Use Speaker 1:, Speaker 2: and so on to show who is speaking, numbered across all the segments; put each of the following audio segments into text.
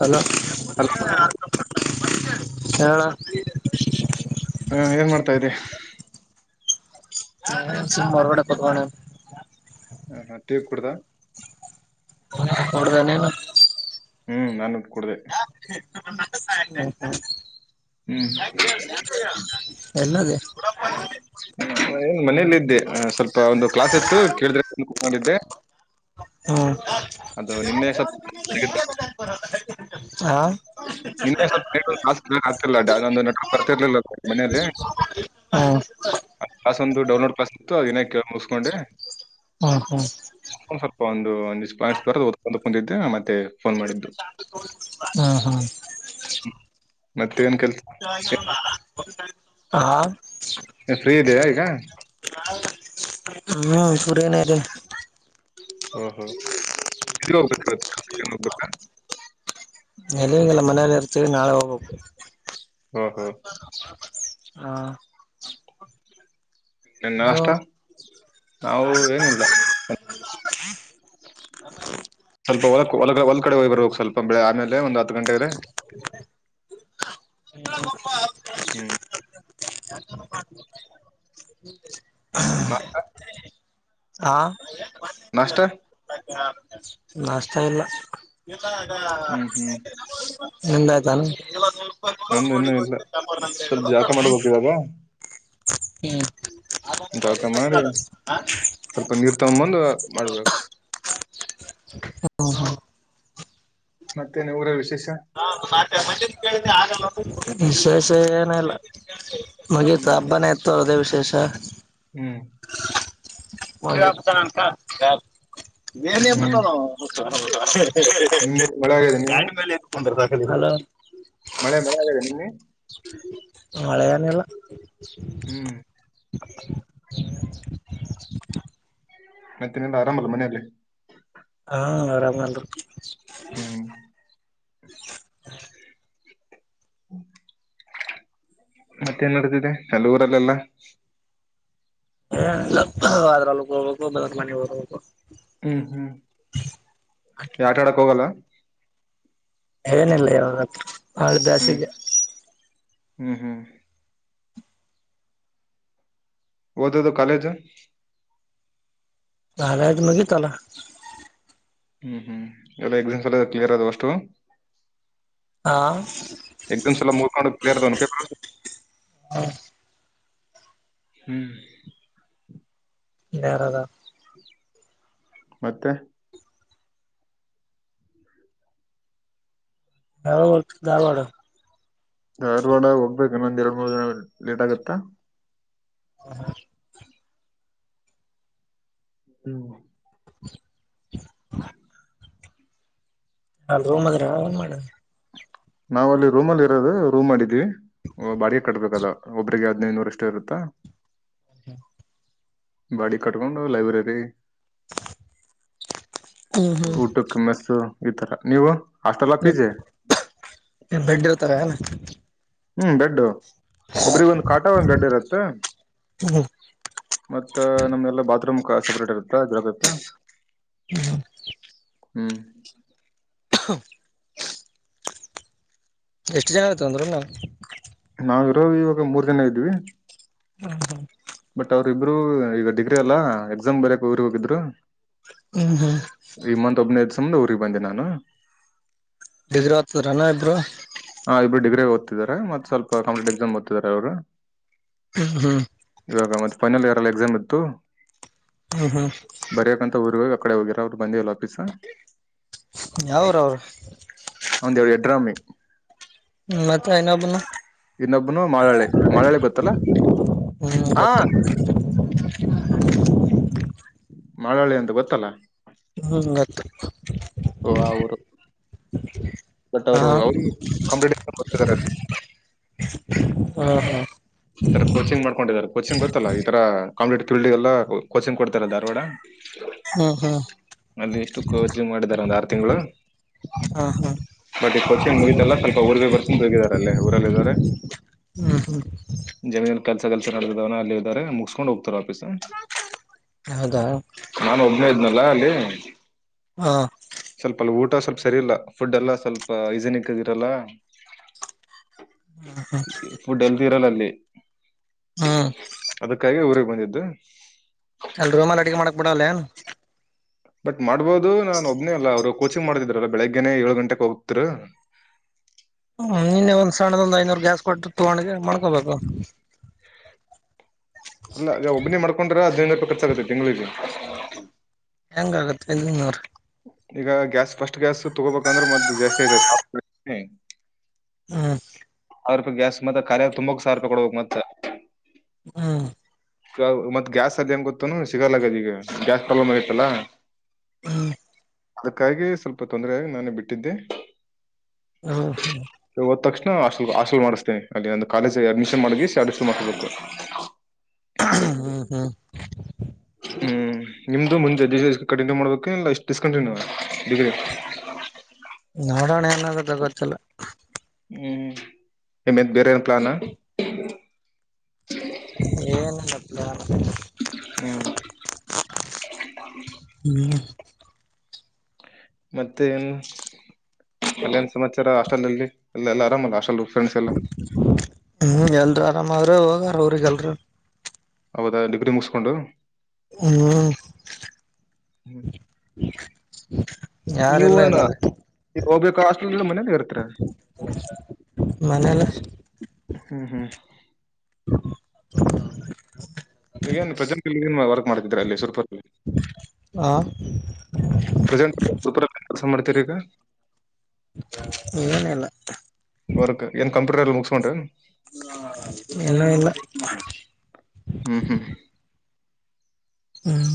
Speaker 1: Hello
Speaker 2: hello
Speaker 1: ಹೇಳ
Speaker 2: ಹಾ ಏನ್ ಮಾಡ್ತಾ ಇದ್ದೆ.
Speaker 1: [unintelligible]
Speaker 2: ಹ ಹಾ ಟೀ ಕುಡುದಾ.
Speaker 1: ನೋಡ್ದಾ ನೀನು.
Speaker 2: ಹ್ಮು ನಾನು ಕುಡುದೇ.
Speaker 1: ಹಾ
Speaker 2: ಹ್ಮ್
Speaker 1: ಹಾ. ಎಲ್ಲದೆ
Speaker 2: ಏನ್ ಮನೇಲ್ಲ ಇದ್ದೆ ಸ್ವಲ್ಪ ಒಂದು ಕ್ಲಾಸ್ ಇತ್ತು ಕೇಳ್ತಿದ್ದೆ ಮನೇಲಿದ್ದೆ
Speaker 1: ಹ್ಮು
Speaker 2: ನಿನ್ನೆ ಸ್ವಲ್ಪ
Speaker 1: ಆ.
Speaker 2: ನಿನ್ನೆ [unintelligible] ಬರ್ತಿರ್ಲಿಲ್ಲ [unintelligible] ಮನೆಯಲ್ಲಿ.
Speaker 1: ಹಾ
Speaker 2: ಕ್ಲಾಸ್ ಒಂದು ಡೌನ್ಲೋಡ್ ಕ್ಲಾಸ್ ಇತ್ತು ಅದನ್ನೆ ಕೇಳಸ್ಕೊಂಡೆ.
Speaker 1: ಹ್ಮು ಹ್ಮು.
Speaker 2: ಸ್ವಲ್ಪ ಒಂದು [unintelligible] ಮತ್ತೆ ಫೋನ್
Speaker 1: ಹ್ಮು ಹ್ಮು.
Speaker 2: ಹ್ಮು ಮತ್ತ.
Speaker 1: ಆ
Speaker 2: ಏನ್ ಫ್ರೀ ಇದಯಾ ಈಗ.
Speaker 1: ಹ್ಮು [unintelligible]
Speaker 2: ಓ ಹೋ [unintelligible] ಹೋಗ್ಬೇಕಾ.
Speaker 1: [unintelligible] ಮನೆಯಲ್ಲಿ ಇರ್ತೀವಿ ನಾಳೆ ಹೋಗ್ಬೇಕು.
Speaker 2: ಓ ಹೋ.
Speaker 1: ಹಾ
Speaker 2: ಇನ್ನ್
Speaker 1: ನೀವು
Speaker 2: ನಾಷ್ಟಾ ನಾವು ಏನಿಲ್ಲ [unintelligible] ಸ್ವಲ್ಪ ಹೊಲಕ್ ಹೊಲದ ಹೊಲಕ್ ಕಡೆ ಹೋಗ್ ಬರ್ಬೇಕ ಸ್ವಲ್ಪ ಬೆಳೆ ಆಮೇಲೆ ಒಂದ್ ಹತ್ತು ಗಂಟೆಗೆ.
Speaker 1: [unintelligible]
Speaker 2: ಹ್ಮು ನಾ
Speaker 1: [unintelligible] ಆ
Speaker 2: ನಾಷ್ಟಾ
Speaker 1: ನಾಷ್ಟಾ ಇಲ್ಲ.
Speaker 2: ಹ್ಮ್ ಹ್ಮ್
Speaker 1: ನಿಂದ ಆಯ್ತನು.
Speaker 2: ನಮ್ದು ಇನ್ನೂ ಇಲ್ಲ ಸ್ವಲ್ಪ ಜಳಕ ಮಾಡ್ಬೇಕು ಇವಾಗ ಜಳಕ ಮಾಡಿ ಸ್ವಲ್ಪ ನೀರ್ ತಗೋಬಂದು ಮಾಡ್ಬೇಕ್
Speaker 1: ಹಾ ಹಾ.
Speaker 2: ಮತ್ತೇನೆ ಊರಲ್ಲಿ ವಿಶೇಷ.
Speaker 1: ವಿಶೇಷ ಏನಿಲ್ಲ. ಮುಗಿತು
Speaker 2: ಹ್ಮ್
Speaker 1: ಹಬ್ಬನೆ ಇತ್ತು ಅದೇ ವಿಶೇಷ.
Speaker 2: ಹ್ಮು
Speaker 1: ಹೋಗಿ [unintelligible] ಮೇಲೆ
Speaker 2: ಹ್ಮ್
Speaker 1: ಬರ್ತಾವ [unintelligible]
Speaker 2: ನಿನ್ನೆ ಮಳೆ ಆಗಿದೆ ನಿನ್ನೆ
Speaker 1: ಗಾಡಿ ಮೇಲೆ ಹೆಂಗ್ ಕುಂದಿರಬೇಕ. ಇದಲಾ
Speaker 2: ಮಳೆ ಮಳೆ ಆಗಿದೆ ನಿನ್ನೆ.
Speaker 1: ಮಳೆ ಏನಿಲ್ಲ.
Speaker 2: ಹ್ಮ್ ಮತ್ತನ ಎಲ್ಲ ಆರಾಮಲ್ಲ ಮನೆಯಲ್ಲಿ.
Speaker 1: ಹಾ ಆರಾಮ ಎಲ್ರೂ.
Speaker 2: ಹ್ಮ್ ಹ್ಮು ಮತ್ತೆೇನ್ ನಡೆದಿದೆ ಅಲ್ಲಿ ಊರಲ್ಲೆಲ್ಲ
Speaker 1: ಏ ಇಲ್ಲ ಹೋದರ ಹೊಲಕ್ಕ ಹೋಗ್ಬೇಕು ಬಂದರ ಮನೆ ಹೋಗ್ಬೇಕು
Speaker 2: ಹ್ಮ್ ಹ್ಮ್ ಆಟ ಆಡಕ್ ಹೋಗಲ್ಲ
Speaker 1: ಏನಿಲ್ಲ ಯಾವಾಗ ಬಹಳ
Speaker 2: ಹ್ಮ್
Speaker 1: ಬ್ಯಾಸಿಗ್ಗೆ
Speaker 2: ಹ್ಮ್ ಹ್ಮ್ ಓದದು ಕಾಲೇಜು
Speaker 1: ಕಾಲೇಜು ಮುಗಿತಲ್ಲ
Speaker 2: ಹ್ಮ್ ಹ್ಮ್ ಎಲ್ಲ ಎಕ್ಸಾಮ್ಸ್ ಎಲ್ಲ ಕ್ಲಿಯರ್ ಆದವು ಅಷ್ಟು
Speaker 1: ಹಾ
Speaker 2: ಎಕ್ಸಾಮ್ಸ್ ಎಲ್ಲಾ ಮುಗುದ್ಕೊಂಡು ಕ್ಲಿಯರ್ ಪೆಪರ್ ಆಗಿದೆ ಹ್ಮು
Speaker 1: [unintelligible]
Speaker 2: ಮತ್ತೆ
Speaker 1: ಯಾವಾಗ ಭರ್ತಿ ದಾರವಾಡ
Speaker 2: ಧಾರವಾಡ ಹೋಗ್ಬೇಕನ್ನೊಂದ ಎರಡ್ ಮೂರು ದಿನ ಲೇಟ್ ಆಗತ್ತಾ
Speaker 1: ಹ ಹಾ [inaudible]
Speaker 2: ಹ್ಮ
Speaker 1: [inaudible] ಅಲ್ಲಿ ರೂಮ್ ಅದರೆ ಏನ್ ಮಾಡದು
Speaker 2: ನಾವ್ ಅಲ್ಲಿ ರೂಮ್ ಅಲ್ಲಿ ಇರೋದು ರೂಮ್ ಮಾಡಿದ್ವಿ ಬಾಡಿಗೆ ಕಟ್ಬೇಕದು ಒಬ್ಬ್ರಿಗೆ ಹದಿನೈದ ನೂರ ಯಷ್ಟು ಇರುತ್ತಾ
Speaker 1: ಹ [inaudible]
Speaker 2: ಬಾಡಿಗೆ ಕಟ್ಟಿಕೊಂಡು ಲೈಬ್ರರಿ
Speaker 1: ಹ್ಮ್ ಹ್ಮ್
Speaker 2: ಊಟಕ್ಕೆ ಮ್ಮೆಸ್ಸು ಈ ತರ ನೀವು ಹಾಸ್ಟೆಲ್ಲಾ ಪಿಜಿ
Speaker 1: ಬೆಡ್ಡಿರ್ತವೇನೋ
Speaker 2: ಹ್ಮ್ ಬೆಡ್ ಒಬ್ರಿಗೆ ಒಂದ್ ಕಾಟ ಒಂದ್ ಬೆಡ್ ಇರುತ್ತೆ
Speaker 1: ಹ್ಮ್
Speaker 2: ಮತ್ತ ನಮ್ದ ಎಲ್ಲಾ ಬಾತ್ರೂಮ್ ಸಪ್ರೇಟ್ ಇರುತ್ತಾ ಇದರ ಬೇಕ
Speaker 1: ಹ್ಮ
Speaker 2: ಹ್ಮ
Speaker 1: ಹ [inaudible] ಎಷ್ಟು ಜನ ಇರ್ತಾರೆ ಒಂದು ರೂಮಲ್
Speaker 2: ನಾವಿರೋ ಇವಾಗ ಮೂರ್ ಜನ ಇದ್ದ್ವಿ
Speaker 1: ಹಾ ಹಾ [inaudible]
Speaker 2: ಬಟ್ ಅವ್ರಿಬ್ರು ಈಗ ಡಿಗ್ರಿ ಅಲ್ಲಾ ಎಕ್ಸಾಮ್ ಬರಕ್ ಊರಿಗೆ ಹೋಗಿದ್ರು
Speaker 1: ಹ್ಮ್ ಹ್ಮ್
Speaker 2: ಈಮಂತ್ ಒಬ್ನೇದು ಸುಮ್ದ ಊರಿಗೆ ಬಂದೆ ನಾನು
Speaker 1: ಡಿಗ್ರಿ ಓದ್ತಿದ್ರೇನೇ ಇಬ್ರು
Speaker 2: ಹಾ ಇಬ್ರು ಡಿಗ್ರಿಗೆ ಓದ್ತಿದಿದ್ದಾರೆ ಮತ್ ಸ್ವಲ್ಪ ಕಂಪಿಟೇ್ ಎಕ್ಸಾಮ್ ಓದ್ತಿದ್ದಾರೆ ಅವರು
Speaker 1: ಹ್ಮ್
Speaker 2: ಇವಾಗ ಮತ್ತೆ ಫೈನಲ್ ಇಯರ್ ಅಲ್ಲಿ ಎಕ್ಸಾಮ್ ಇತ್ತು
Speaker 1: ಹ್ಮ್
Speaker 2: ಬರ್ಯಕಂತ ಊರ್ ಅಕಡೆ ಹೋಗಿರ ಅವರು ಬಂದಿಲ್ಲ ಸ
Speaker 1: ಯಾವೂರ್ ಅವ್ರು
Speaker 2: ಅವಂದ ಅವರು ಎಡ್ರಾಮಿ
Speaker 1: ಹ್ಮ ಮತ್ತೆ ಇನ್ನೊಬ್ನ
Speaker 2: ಇನ್ನೊಬ್ಬನು ಮಾಳಳ್ಳಿ ಮಾಳಳ್ಳಿ ಗೊತ್ತಲ್ಲ
Speaker 1: ಹ್ಮ್
Speaker 2: ಹ
Speaker 1: ಗೊತ್ತು
Speaker 2: ಮಳಳ್ಳಿ ಅಂತ ಗೊತ್ತಲ್ಲ
Speaker 1: ಹ್ಮ್ ಗೊತ್ತು
Speaker 2: ಓ ಊರು ಬಟ್
Speaker 1: ಹಾ
Speaker 2: ಅವರು ಕಾಂಪಿಟಿಟಿವ್ ಎಕ್ಸಾಮ್ ಬರೆದಿದ್ದಾರೆ
Speaker 1: ಹಾ ಹಾ [inaudible]
Speaker 2: ಈ ತರ ಕೋಚಿಂಗ್ ಮಾಡ್ಕೊಂಡಿದ್ದಾರೆ ಕೋಚಿಂಗ್ ಗೊತ್ತಲ್ಲ ಈ ತರ ಕಂಪ್ಟಿಗೆಲ್ಲ ಫೀಲ್ಡ್ಗೆಲ್ಲ ಕೋಚಿಂಗ್ ಕೊಡ್ತಾರಲ್ಲ ಧಾರವಾಡ
Speaker 1: ಹ್ಮ್ ಹ್ಮ್
Speaker 2: ಅಲ್ಲಿ ಎಷ್ಟು ಕೋಚಿಂಗ್ ಮಾಡಿದಿದ್ದಾರೆ ಒಂದ್ ಆರು ತಿಂಗಳು
Speaker 1: ಹಾ ಹಾ
Speaker 2: ಬಟ್ ಈ ಕವಚ ನ್ ಮುಗಿತಲ್ಲ ಸ್ವಲ್ಪ ಊರ್ಗ ಬರ್ಸಕೊಂಡ ತೋಗಿದಿದ್ದಾರೆ ಅಲ್ಲೇ ಊರಲ್ಲ ಇದಿದ್ದಾರೆ
Speaker 1: ಹ್ಮ್ ಹ್ಮ್
Speaker 2: ಏನು ಕನಸು ಮನಸ್ಸಿನಲ್ಲಿ ಇದ್ದಾನೆ ಅಲ್ಲೇ ಇದಾರೆ ಮುಗುಸ್ಕೊಂಡು ಹೋಗ್ತಾರೆ.
Speaker 1: ಹೌದಾ
Speaker 2: ನಾನು ಒಬ್ನೇ ಇದ್ನಲ್ಲ ಅಲ್ಲಿ.
Speaker 1: ಹ
Speaker 2: ಸ್ವಲ್ಪ ಲೂರು. ತ ಸ್ವಲ್ಪ ಸರಿ ಇಲ್ಲ ಫುಡ್ ಎಲ್ಲ ಸ್ವಲ್ಪ ಹೈಜಿನಿಕ್ ಆಗಿರಲ್ಲ. ಫುಡ್ ಎಲ್ಲೂ ಇರಲ್ಲ ಅಲ್ಲಿ
Speaker 1: ಹ್ಮ್
Speaker 2: ಅದಕ್ಕಾಗಿ ಊರು. ಓದಿದ್ದು
Speaker 1: ಅಲ್ ರೂಮಲ್ಲಿ ಅಡುಗೆ ಮಾಡಕ್ ಬಿಡಲೇನು.
Speaker 2: ಬಟ್ ಮಾಡ್ಬೋದು ನಾನೊಬ್ಬನೇ ಅಲ್ಲ ಅವ್ರು ಕೋಚಿಂಗ್ ಮಾಡ್ತಿದ್ರಲ್ಲ ಬೆಳಿಗ್ಗೆನೆ ಏಳು ಗಂಟೆಗೆ ಹೋಗ್ತೀರಾ. ಹ್ಮ್
Speaker 1: ಹ್ಮ ನಿನ್ನೆ ಒಂದ್ ಸಣ್ಣುದು ಒಂದ್ ಐನೂರು ಗ್ಯಾಸ್ ಕೊಟ್ಟು ತಗೊಂಡ್ ಹೋಗಿ ಮಾಡ್ಕೊಳೋದು.
Speaker 2: ಇಲ್ಲ ಈ ಒಬ್ನಿ ಮಾಡ್ಕೊಂಡ್ರೆ ಅದ್ರಲ್ಲಿ [unintelligible] ಖರ್ಚಾಗು
Speaker 1: ಹೆಂಗಾಗುತ್ತೆ ನೂರು.
Speaker 2: ಈಗ ಗ್ಯಾಸ್ ಫಸ್ಟ್ ಗ್ಯಾಸ್ ತಗೋಬೇಕಂದ್ರೆ ಮತ್ತು ಜಾಸ್ತಿ [unintelligible]
Speaker 1: ಹ್ಮು
Speaker 2: ಅವ್ರ ರೂಪಾಯಿ ಗ್ಯಾಸ್ ಮತ್ತೆ ಖಾಲಿಯಾತು ತುಂಬಕ್ ಸಾವಿರ ರೂಪಾಯಿ ಕೊಡಬೇಕು ಮತ್ತೆ.
Speaker 1: ಹ್ಮ ಹಾ
Speaker 2: ಮತ್ ಗ್ಯಾಸ್ ಅದು ಹೆಂಗ್ ಗೊತ್ತುನು ಸಿಗಲ್ಲ ಗಲಿಜ ಗ್ಯಾಸ್ ಪ್ರಾಬ್ಲಮ್ ಆಗೈತಲ್ಲ.
Speaker 1: ಹ್ಮ್
Speaker 2: ಅದಕ್ಕಾಗಿ ಸ್ವಲ್ಪ ತೊಂದ್ರ ಆಗಿ ನಾನೇ ಬಿಟ್ಟಿದ್ದೆ.
Speaker 1: ಹ್ಮುಹ್ಮೂ
Speaker 2: ಹಲ್ ಮಾಡ್ತೇನೆ ಅಲ್ಲಿ ಒಂದು ಕಾಲೇಜು ಅಡ್ಮಿಷನ್ ಮಾಡ ಅ ಮಾಡು
Speaker 1: ಹ್ಮ್ ಹ್ಮ್
Speaker 2: ಹ್ಮ್ ನಿಮ್ದು ಮುಂಜೆದು ಬಿಸಿನೆಸ್ ಕಂಟಿನ್ಯೂ ಮಾಡ್ಬೇಕು ಇಲ್ಲ ಡಿಸ್ಕಂಟಿನ್ಯೂ ಮಾಡ್ಬೇಕಾ.
Speaker 1: ನೋಡೋಣ ಏನಾಗುತ್ತೆ ಗೊತ್ತಿಲ್ಲ.
Speaker 2: ನಿಮ್ದು ಬೇರೆ ಏನು ಪ್ಲಾನ್.
Speaker 1: ಏನಿಲ್ಲ ಪ್ಲಾ ಹ್ಮು
Speaker 2: ಹ್ಮ್ ಮತ್ತೆ ಏನ್ ಕಲ್ಯಾಣ ಸಮಾಚಾರ ಅಷ್ಟೊಂದ್ ಇಲ್ಲಿ ಇಲ್ಲೆಲ್ಲಾ ಆರಾಮಲ್ಲಾ ಅಷ್ಟೊಂದು.
Speaker 1: ಹ್ಮ್ ಎಲ್ಲರೂ ಆರಾಮ ಅವರೇ ಹೋಗವ್ರೆ ಊರಿಗೆ ಎಲ್ರೂ.
Speaker 2: ಹೌದಾ ಡಿಗ್ರಿ ಮುಗುಸುಕೊಂಡು.
Speaker 1: ಹ್ಮ್ ಯಾರಿಲ್ಲ ಗಲಾಟಿ.
Speaker 2: ಹೋಗ್ಬೇಕ್ ಹಾಸ್ಟೆಲ್ನಿಂದ ಮನೆಗೆ ಬರ್ತೀರಾ.
Speaker 1: ಮನೇಲೆ
Speaker 2: ಹ್ಮು ಹ್ಮು. ಈಗ ಏನ್ ಪ್ರೆಸೆಂಟ್ ಇಲ್ಲೇನ್ ವರ್ಕ್ ಮಾಡ್ತಿದ್ರಾ ಇಲ್ಲಿ ಶಿರುರ್ಪುರ್ ನಲ್ಲಿ.
Speaker 1: ಯ
Speaker 2: ಉತ್ತರಕ್ ಕೆಲಸ ಮಾಡ್ತೀರಿ ಈಗ.
Speaker 1: ಏನು ಇಲ್ಲ.
Speaker 2: ವರ್ಕ್ ಏನ್ ಕಂಪ್ಯೂಟರ್ ಮುಗಸ್ಕೊಂಡ್ರಿ.
Speaker 1: ಏನು ಇಲ್ಲ
Speaker 2: ಹ್ಮು ಹ್ಮು.
Speaker 1: ಹ್ಮು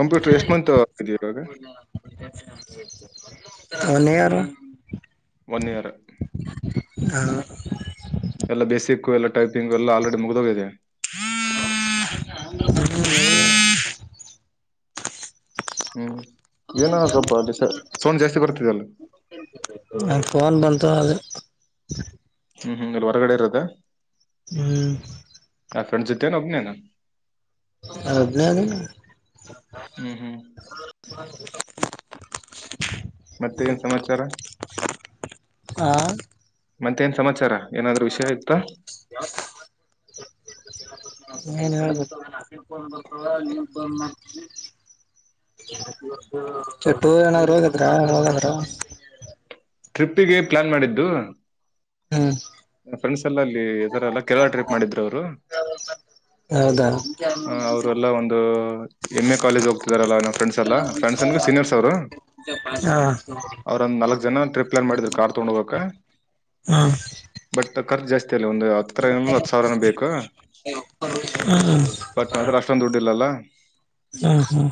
Speaker 2: ಕಂಪ್ಯೂಟರ್ ಎಷ್ಟ್ ಮಂತ್ ಇವಾಗ
Speaker 1: ಅಲ್ಲಾ ನೀ ಯಾರು.
Speaker 2: One year.
Speaker 1: ಹ ಕೊಯಿ.
Speaker 2: ಎಲ್ಲ ಬೇಸಿಕ್ ಎಲ್ಲ ಟೈಪಿಂಗ್ ಎಲ್ಲ ಆಲ್ರೆಡಿ ಮುಗ್ದೋಗಿದೆ.
Speaker 1: ಹು ಹೇಳ್ ಜಿಇಇಇ.
Speaker 2: ಹ್ಮ್ ಏನೊ ಸ್ವಲ್ಪ ದಿಸ ಸೌಂಡ್ ಜಾಸ್ತಿ ಬರ್ತಿದಲ್ಲ.
Speaker 1: ಯಾಕೊ ನನ್ನ ಫೋನ್ ಬಂದ ಕಿಲಕ್ ಕ್ಲಿ.
Speaker 2: ಹೂ ಹೂ ಹೊರಗಡೆ ಇರೋದಾ.
Speaker 1: ಹೂ
Speaker 2: ಅಕ್ಕನ ಜೊತೆನಾ ಒಬ್ಬನೇನ.
Speaker 1: ನಾನು ಒಬ್ಬನೇ ಅದಿನಿ
Speaker 2: ಹ್ಮ್ ಹ್ಮ್
Speaker 1: ಅಣ್ಣ
Speaker 2: ಮತ್ತೆ ಏನ್ ಸಮಾಚಾರ ಮತ್ತೆ ಏನ್ ಸಮಾಚಾರ. ಏನಾದ್ರು ವಿಷಯ ಇತ್ತಾ
Speaker 1: ಏನ್ ಹೇಳ್ಬೇಕು. [unintelligible] ಕೆಟ್ಟವರು ಏನ್ ಆಗಿದ್ರಾ ಯಾವಾಗದ್ರೂ
Speaker 2: ಟ್ರಿಪ್ಪಿಗೆ ಪ್ಲ್ಯಾನ್ ಮಾಡಿದ್ದು.
Speaker 1: ಹೂ
Speaker 2: ನನ್ನ್ ಫ್ರೆಂಡ್ಸ್ ಎಲ್ಲ ಅಲ್ಲಿ ಈ ತರ ಎಲ್ಲ ಕೆರಳ ಟ್ರಿಪ್ ಮಾಡಿದ್ರು ಅವ್ರು.
Speaker 1: ಹೌದಾ
Speaker 2: ಹ ಅವರು ಎಲ್ಲ ಒಂದು ಎಂ-ಎ ಕಾಲೇಜ್ ಹೋಗ್ತಿದಾರಲ್ಲಾ ನಮ್ಮ ಫ್ರೆಂಡ್ಸ್ ಎಲ್ಲ ಫ್ರೆಂಡ್ಸ್ ಅಂದ್ರ ಸೀನಿಯರ್ಸ್ ಅವರು.
Speaker 1: ಹಾ
Speaker 2: ಅವ್ರಂದ್ ನಾಲ್ಕ್ ಜನ ಟ್ರಿಪ್ ಪ್ಲ್ಯಾನ್ ಮಾಡಿದ್ರು ಕಾರ್ ತಗೊಂಡ ಹೋಗಾಕ
Speaker 1: ಹಾ
Speaker 2: ಬಟ್ ಖರ್ಚ ಜಾಸ್ತಿ ಅಲ್ಲ ಒಂದು ಹತ್ತರಿಂದ್ ಹತ್ತ್ ಸಾವಿರನ ಬೇಕು.
Speaker 1: ಹ್ಮ್
Speaker 2: ಬಟ್ ಅದರ ಅಷ್ಟೊಂದ ದುಡ್ಡ ಇಲ್ಲಲ್ಲಾ.
Speaker 1: ಹೂ ಹೂ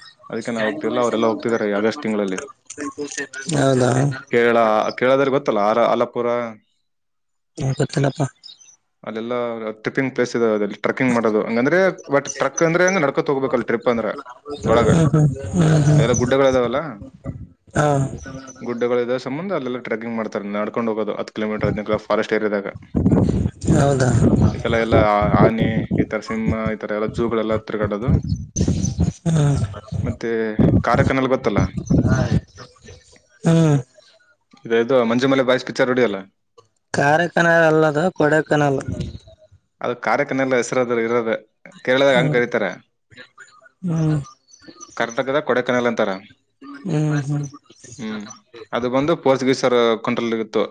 Speaker 2: ಅವರೆಲ್ಲ ಹೋಗ್ತಿದ್ದಾರೆ ಆಗಸ್ಟ್ ತಿಂಗಳಲ್ಲಿ
Speaker 1: ಹೌದಾ
Speaker 2: ಬಾರ ಅಲಪುರ.
Speaker 1: ಹೇ ಗೊತ್ತಿಲ್ಲಪ
Speaker 2: ಎಲ್ಲ ತ್ರಿಪಿಂಗ್ ಪ್ಲೇಸ್ ಇದಾವೆ ಅಲ್ಲಿ ಟ್ರಕ್ಕಿಂಗ್ ಮಾಡೋದು ಹಂಗಂದ್ರೆ ಬಟ್ ಟ್ರಕ್ ಅಂದ್ರೆ ಹೆಂಗ ನಡ್ಕೋತ್ ಹೋಗ್ಬೇಕಲ್ ಟ್ರಿಪ್ ಅಂದ್ರ ಒಳಗ
Speaker 1: ಹ್ಮ್ ಹ್ಮ್ ಹ್ಮ್
Speaker 2: ಅದೆಲ್ಲ
Speaker 1: ಹ್ಮ್
Speaker 2: ಗುಡ್ಡಗಳು ಇದಾವಲ್ಲ
Speaker 1: ಹಾ
Speaker 2: ಗುಡ್ಡಗಳು ಇದಾವ ಅಲ್ಲೆಲ್ಲ ಟ್ರೆಿಂಗ್ ಮಾಡ್ತಾರೆ ನಡ್ಕೊಂಡ್ ಹೋಗೋದು ಹ ಕಿಲೋಮೀಟರ್ ಹದ್ ಫಾರೆಸ್ಟ್ ಏಯಾದಾಗ
Speaker 1: ಹೌದಾ ಹ್ಮ್
Speaker 2: ಈತರ ಎಲ್ಲ ಆನೆ ಈ ತರ ಸಿಿಂಹ ಎಲ್ಲ ಜಝೂಗಳೆಲ್ಲ ಹ ತಿಗಡದು ಮತ್ತೆ ಕಾರಕನಲ್ಲಿ ಗೊತ್ತಲ್ಲ
Speaker 1: ಹೂ
Speaker 2: ವೇದು ಮಂಜು ಮಲೆ ಬಸ್್ತಿ
Speaker 1: ಕಾರ ಕನಾಲ್ ಅಲ್ಲದ ಕೊಡ ಕನಾಲ್
Speaker 2: ಅದು ಕಾರ್ಯಕಾನೆಲ್ಲ ಹೆಸರು ಇರೋದ ಕೇರಳದಾಗ ಅಂಗ
Speaker 1: ಹ್ಮ್
Speaker 2: ಕರೀತಾರೆ
Speaker 1: ಹ್ಮ್
Speaker 2: ಕರ್ನಾಟಕದ ಕೊಡಕನಲ್ ಅಂತಾರ
Speaker 1: ಹ್ಮ್ ಹ್ಮ್ ಹ್ಮ್
Speaker 2: ಹೂ ಅದು ಬಂದು ಪೋರ್ಚುಗೀಸ್ರು ಕಂಟ್ರಲ್ ಇತ್ತು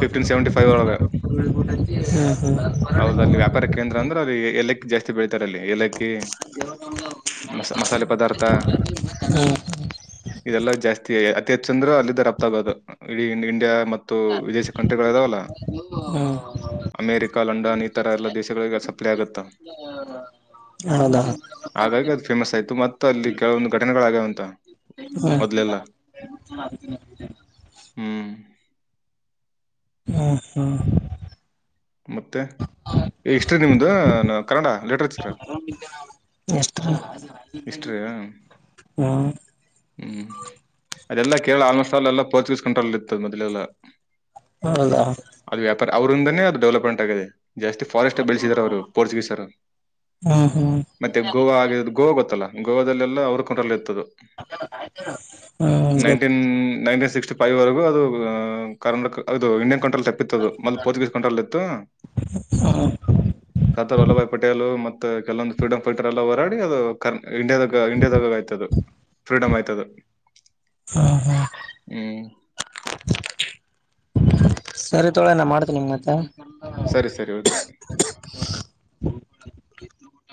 Speaker 2: ಫಿಫ್ಟೀನ್ ಸೆವೆಂಟಿ ಫೈವ್ ಒಳಗೆ
Speaker 1: ಹ್ಮ್ ಹ್ಮ್
Speaker 2: ಅವ್ರದ ಅಲ್ಲಿ ವ್ಯಾಪಾರ ಕೇಂದ್ರ ಅಂದ್ರ ಅಲ್ಲಿ ಎಲ್ಲಕ್ ಜಾಸ್ತಿ ಬೆಳತತಿ ರಲ್ಲಿ ಏಲಕ್ಕಿ ಮ ಮಸಾಲೆ ಪದಾರ್ಥ
Speaker 1: ಹ್ಮ್
Speaker 2: ಇದೆಲ್ಲಾ ಜಾಸ್ತಿ ಅತಿ ಹೆಚ್ಚ ಚಂದ್ರು ಅಲ್ಲಿಿದ್ದ ರಪ್ತ ಆಗೋದು ಇ ಇಂಡಿಯಾ ಮತ್ತು ವಿದೇಶಿ ಕಂಟ್ರಿಗಳ ಇದಾವಲ್ಲ
Speaker 1: ಹ್ಮ್
Speaker 2: ಅಮೇರಿಕ ಲಂಡನ್ ಇತರ ಎಲ್ಲ ದೇಶಗಳಿಗೆ ಸಪ್ಲೈ ಆಗುತ್ತಾ
Speaker 1: ಹೌದಾ
Speaker 2: ಹಾಗಾಗಿ ಅದು ಫೇಮಸ್ ಆಯ್ತು ಮತ್ತ ಅಲ್ಲಿ ಕೆಲವೊಂದು ಘಟನೆಗಳಾಗ್ಯಾವಂತ
Speaker 1: ಹೂ
Speaker 2: ಹೂ
Speaker 1: ಹೂ ಹೂ
Speaker 2: ಮತ್ತೆ ಈ ಹಿಸ್ಟ್ರಿ ನಿಮ್ದು ಕನ್ನಡ ಲಿಟ್ರೇಚರ್
Speaker 1: ಹಿಸ್ಟರಿ
Speaker 2: ಇಷ್ಟ್ರೀ
Speaker 1: ಹ್ಮ್
Speaker 2: ಹೂ ಅದೆಲ್ಲಾ ಕೇ ಆಲ್ಮೋಸ್ಟ್ ಅಲ್ಲೆಲ್ಲ ಪೋರ್ಚುಗೀಸ್ ಕಂಟ್ರೋಲ್ ಇತ್ತ ಅದು ಮೊದಲೆೆಲ್ಲ
Speaker 1: ಹೌದಾ
Speaker 2: ಅವರಿಂದನೆ ಅದು ಡೆವಲಪ್ಮೆಂಟ್ ಆಗಿದೆ. ಜಾಸ್ತಿ ಫಾರೆಸ್ಟೇ ಬೀಳಿಸಿದಾರ ಅವ್ರು ಪೋರ್ಚುಗೀಸ್ರು
Speaker 1: ಹ್ಮ್ ಹ್ಮ್
Speaker 2: ಮತ್ತೆ ಗೋವಾ ಆಗಿದು ಗೋವಾ ಗೊತ್ತ - ಗೊತ್ತಲ್ಲ ಗೋವಾದಲ್ಲೆಲ್ಲ ಅವ್ರ ಕಂಟ್ರೋಲ್ ಅಲ್ಲಿ ಇತ್ತದು
Speaker 1: ಹ್ಮ್ ಗೊತ್ತು
Speaker 2: ನೈನ್ಟೀನ್ ನೈನ್ಟಿ ಸಿಕ್ಸ್ಟಿ ಫೈವ್ವರೆಗೂ ಅದು ಕರ್ನಾಟಕ ಅದು ಇಂಡಿಯನ್ ಕಂಟ್ರೋಲ್ - ತಪ್ಪಿತ್ತದು ಮೊದ್ಲ ಪೋರ್ಚುಗೀಸ್ ಕಂಟ್ರೋಲ್ಲ್ಲಿ ಇತ್ತು ಸದಾರ್ ವಲ್ಲಭಾಯ್ - ಪಟೆಲು ಮತ್ತೆ ಕೆಲವೊಂದು ಫ್ರೀಡಂ ಫೈಟರ್ ಎಲ್ಲ ಹೋರಾಡಿ ಅದು ಕರ್ ಇಂಡಿಯಾದಾಗ ಇಂಡಿಯಾದಾಗ ಆಯತದು ಫ್ರೀಡಮ್ ಆಯ್ತದು.
Speaker 1: ಹಾ ಹಾ
Speaker 2: ಹ್ಮ್
Speaker 1: ಸರಿ ತಗೋ ಮಾಡ್ತ ನಿಮ್ ಮತ್ತೆ
Speaker 2: ಸರಿ ಸರಿ ಓಕೆ
Speaker 1: ತ್